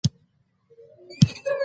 د سپوږمۍ رڼا نرمه ده